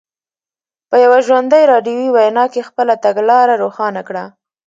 په یوه ژوندۍ راډیویي وینا کې خپله تګلاره روښانه کړه.